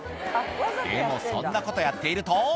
でも、そんなことやっていると。